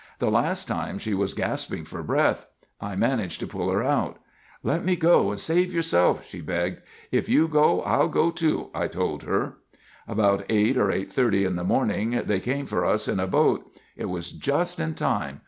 The last time she was gasping for breath, I managed to pull her out. "'Let me go and save yourself,' she begged. 'If you go, I'll go, too,' I told her. "About 8:00 or 8:30 in the morning they came for us in a boat. It was just in time.